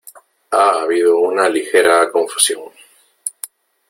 Ha habido una ligera confusión .